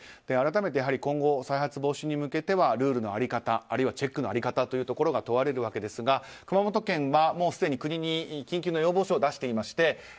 改めて今後再発防止に向けてはルールの在り方あるいはチェックの在り方というところが問われるわけですが、熊本県はもうすでに国に緊急の要望書を出していまして